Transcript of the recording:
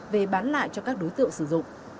về bán lại cho các đối tượng sử dụng